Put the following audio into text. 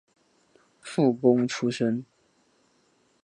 附贡出身。